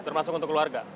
termasuk untuk keluarga